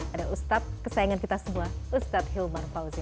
ada ustadz kesayangan kita semua ustadz hilmar fauzi